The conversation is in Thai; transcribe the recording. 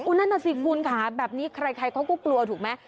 นั่นน่ะสิคุณค่ะแบบนี้ใครเขาก็กลัวถูกไหม